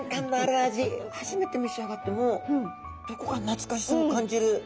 初めて召し上がってもどこか懐かしさを感じる。